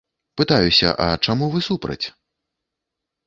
Пытаюся, а чаму вы супраць?